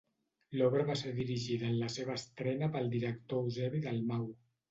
L'obra va ser dirigida en la seva estrena pel director Eusebi Dalmau.